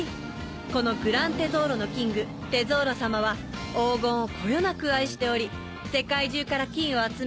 このグラン・テゾーロのキングテゾーロさまは黄金をこよなく愛しており世界中から金を集め